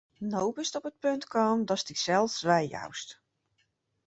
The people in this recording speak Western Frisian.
No bist op it punt kommen, datst dysels weijoust.